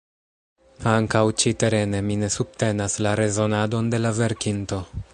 Ankaŭ ĉi-terene mi ne subtenas la rezonadon de la verkinto.